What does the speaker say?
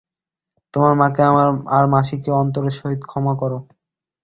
তোমার মাকে আর মাসিকে অন্তরের সহিত ক্ষমা করো।